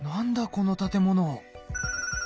この建物。